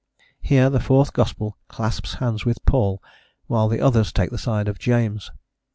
Here the fourth gospel clasps hands with Paul, while the others take the side of James.